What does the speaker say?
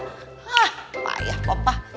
hah apa ya papa